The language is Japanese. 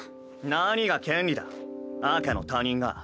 何が権利だあかの他人が。